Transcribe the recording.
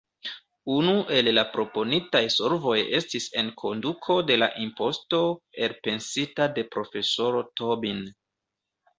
Unu el la proponitaj solvoj estis enkonduko de la imposto elpensita de profesoro Tobin.